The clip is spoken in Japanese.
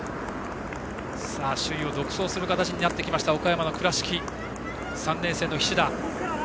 首位を独走する形になってきた岡山の倉敷３年生の菱田です。